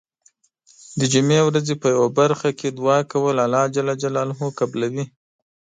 د جمعې ورځې په یو برخه کې دعا کول الله ج قبلوی .